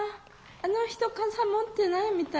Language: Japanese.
あの人傘持ってないみたい」。